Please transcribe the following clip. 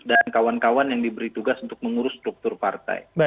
dan kawan kawan yang diberi tugas untuk mengurus struktur partai